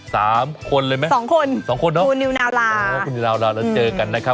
สามคนเลยไหมสองคนคุณนิวนาวลาคุณนิวนาวลาแล้วเจอกันนะครับ